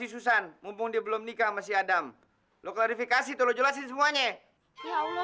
susan mumpung dia belum nikah masih adam lo klarifikasi tolong jelasin semuanya ya allah